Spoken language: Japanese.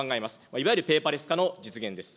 いわゆるペーパーレス化の実現です。